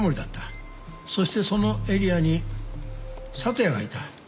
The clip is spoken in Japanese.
そしてそのエリアに里谷がいた。